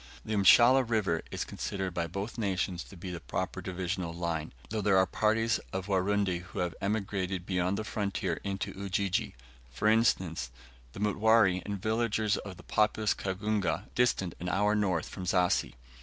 The Mshala River is considered by both nations to be the proper divisional line; though there are parties of Warundi who have emigrated beyond the frontier into Ujiji; for instance, the Mutware and villagers of populous Kagunga, distant an hour north from Zassi.